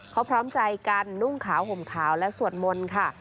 เขาพร้อมใจกันนุ่งขาวห่มขาวและสวดมนต์ค่ะ